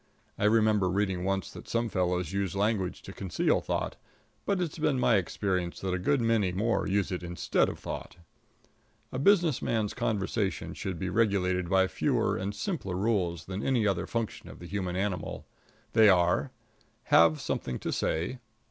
I remember reading once that some fellows use language to conceal thought; but it's been my experience that a good many more use it instead of thought. A business man's conversation should be regulated by fewer and simpler rules than any other function of the human animal. They are: Have something to say.